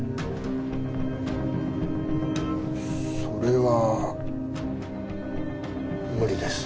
それは無理です。